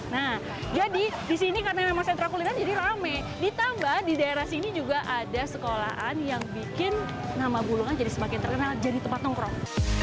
nah jadi di sini karena memang sentra kuliner jadi rame ditambah di daerah sini juga ada sekolahan yang bikin nama bulungan jadi semakin terkenal jadi tempat nongkrong